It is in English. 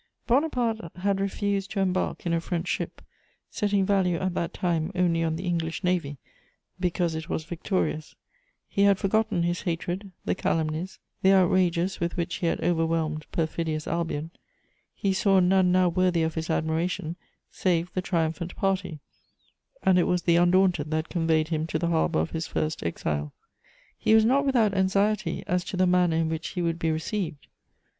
Bonaparte had refused to embark in a French ship, setting value at that time only on the English Navy, because it was victorious; he had forgotten his hatred, the calumnies, the outrages with which he had overwhelmed perfidious Albion; he saw none now worthy of his admiration save the triumphant party, and it was the Undaunted that conveyed him to the harbour of his first exile. He was not without anxiety as to the manner in which he would be received.